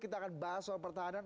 kita akan bahas soal pertahanan